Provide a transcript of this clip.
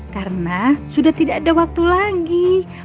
karena sudah tidak ada waktu lagi